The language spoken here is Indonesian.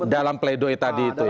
dalam pleidoi tadi itu ya